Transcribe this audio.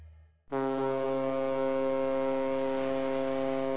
うん。